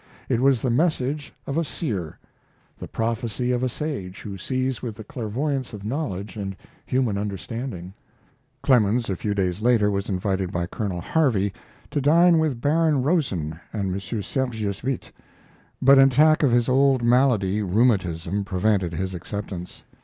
It was the message of a seer the prophecy of a sage who sees with the clairvoyance of knowledge and human understanding. Clemens, a few days later, was invited by Colonel Harvey to dine with Baron Rosen and M. Sergius Witte; but an attack of his old malady rheumatism prevented his acceptance.